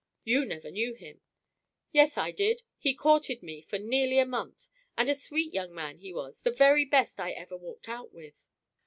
"You never knew him." "Yes, I did. He courted me for nearly a month. And a sweet young man he was, the very best I ever walked out with."